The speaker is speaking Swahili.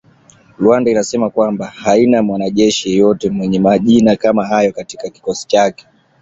Rwanda inasema kwamba haina mwanajeshi yeyote mwenye majina kama hayo katika kikosi chake